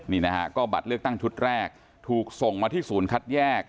นี่นะฮะก็บัตรเลือกตั้งชุดแรกถูกส่งมาที่ศูนย์คัดแยก